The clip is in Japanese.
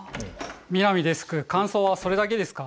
南デスク感想はそれだけですか？